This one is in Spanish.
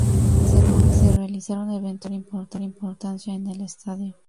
Se realizaron eventos de mayor importancia en el estadio.